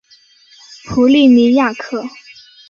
普利尼亚克。